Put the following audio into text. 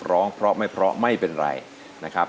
ร้องเพราะไม่เพราะไม่เป็นไรนะครับ